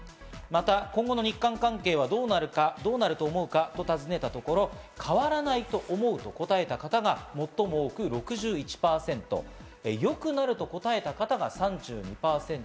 今後の日韓関係はどうなるか尋ねたところ、変わらないと思うと答えた方が最も多く６１％、良くなると答えた方が３２％。